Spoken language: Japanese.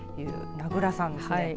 名倉さんですね。